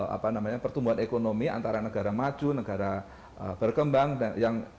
apa namanya pertumbuhan ekonomi antara negara maju negara berkembang dan yang